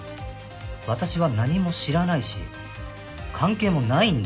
私は何も知らないし関係もないんだって。